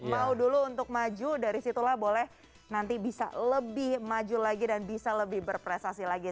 mau dulu untuk maju dari situlah boleh nanti bisa lebih maju lagi dan bisa lebih berprestasi lagi